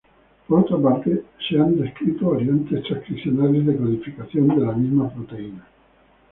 Por otra parte, se han descrito variantes transcripcionales de codificación de la misma proteína.